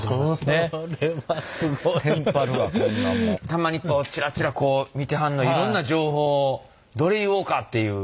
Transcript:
たまにこうチラチラ見てはんのはいろんな情報をどれ言おうかっていう。